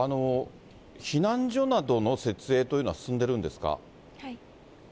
避難所などの設営というのは、進んでるんですか？